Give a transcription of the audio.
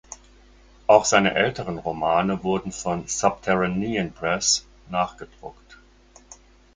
Auch seine älteren Romane wurden von "Subterranean Press" nachgedruckt.